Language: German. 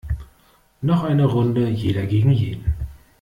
Noch eine Runde jeder gegen jeden!